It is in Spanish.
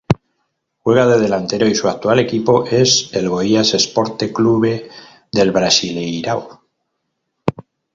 Juega de delantero y su actual equipo es el Goiás Esporte Clube del Brasileirao.